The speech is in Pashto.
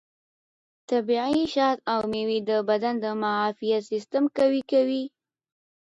طبیعي شات او مېوې د بدن د معافیت سیستم قوي کوي.